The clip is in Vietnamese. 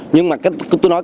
nhưng mà tôi nói